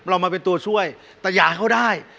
เรามาเป็นตัวช่วยแต่อยากให้เขาได้